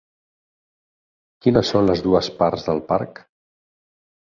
Quines són les dues parts del parc?